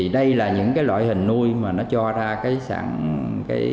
đây là những loại hình nuôi mà nó cho ra sản phẩm có chất lượng cao